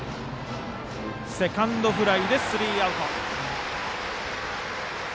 セカンドフライでスリーアウト。